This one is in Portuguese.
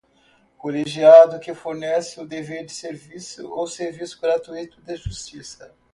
Colegiado que fornece o dever de serviço ou serviço gratuito de justiça.